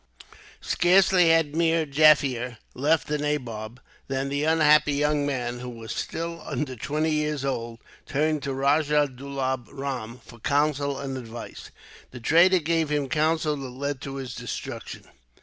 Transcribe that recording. Scarcely had Meer Jaffier left the nabob, than the unhappy young man, who was still under twenty years old, turned to Rajah Dulab Ram for counsel and advice. The traitor gave him counsel that led to his destruction.